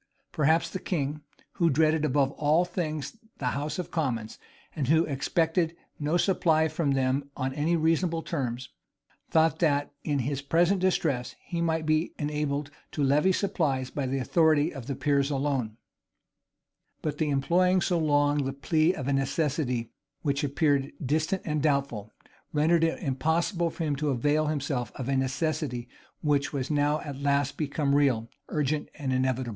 Perhaps the king, who dreaded above all things the house of commons, and who expected no supply from them on any reasonable terms, thought that, in his present distresses, he might be enabled to levy supplies by the authority of the peers alone. But the employing so long the plea of a necessity which appeared distant and doubtful, rendered it impossible for him to avail himself of a necessity which was now at last become real, urgent, and inevitable. * Clarendon, vol. i. p. 155. Rush. vol.